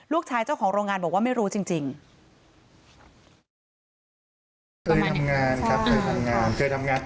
เจ้าของโรงงานบอกว่าไม่รู้จริง